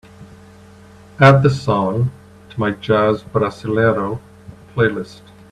Add the song to my jazz brasileiro playlist.